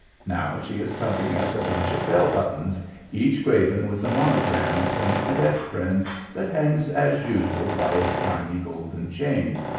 Now she is tugging at the bunch of bell buttons, each graven with the monogram of some cadet friend, that hangs as usual by its tiny golden chain.